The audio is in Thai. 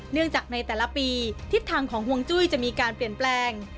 เนื่องจากในแต่ละปีทิศทางของห่วงจุ้ยจะมีการเปลี่ยนแปลง